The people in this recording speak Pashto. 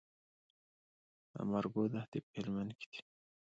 د مارګو دښتې په هلمند کې دي